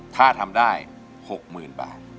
ถ้าทำได้๖หมื่นบาท